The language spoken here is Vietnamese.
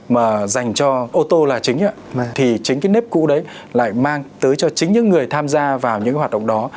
mà dành cho ô tô là chính thì chính cái nếp cũ đấy lại mang tới cho chính những người tham gia vào những cái hoạt động đó